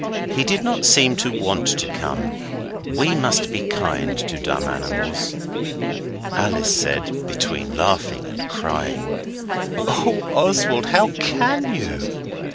He did not seem to want to come. We must be kind to dumb animals.' Alice said, between laughing and crying 'Oh, Oswald, how can you!